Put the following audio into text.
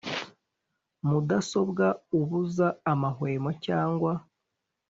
Mudasobwa ubuza amahwemo cyangwa